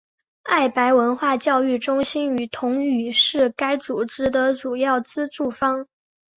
爱白文化教育中心与同语是该组织的主要资助方。